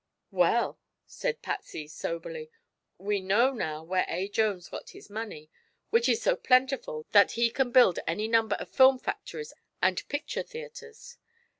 "Well," said Patsy soberly, "we know now where A. Jones got his money, which is so plentiful that he can build any number of film factories and picture theatres.